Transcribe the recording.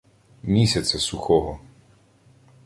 Місяця сухого